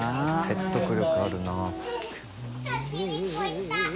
説得力あるな。